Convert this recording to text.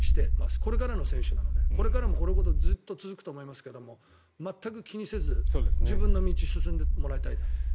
これからの選手なのでこれからもこのことずっと続きと思いますけど全く気にせず、自分の道を進んでもらいたいなと思います。